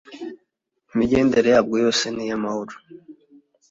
imigendere yabwo yose ni iy amahoro